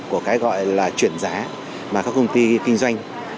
của cái gọi là chuyển giá mà các công ty kinh doanh